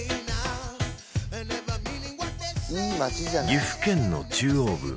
岐阜県の中央部